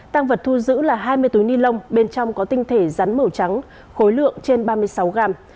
tăng vật thu giữ là hai mươi túi ni lông bên trong có tinh thể rắn màu trắng khối lượng trên ba mươi sáu gram